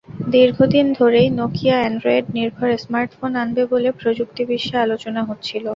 দীর্ঘদিন ধরেই নকিয়া অ্যান্ড্রয়েডনির্ভর স্মার্টফোন আনবে বলে প্রযুক্তি বিশ্বে আলোচনা হচ্ছিল।